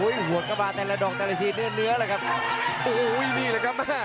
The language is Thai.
จิ้มด้วยมันก็เน็ตที่มัน